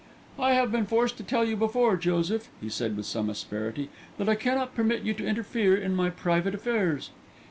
"I have been forced to tell you before, Joseph," he said with some asperity, "that I cannot permit you to interfere in my private affairs."